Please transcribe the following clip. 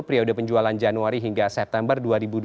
periode penjualan januari hingga september dua ribu dua puluh